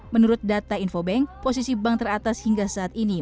menurut data infobank posisi bank teratas hingga saat ini